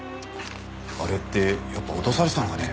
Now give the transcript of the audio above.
あれってやっぱ脅されてたのかね？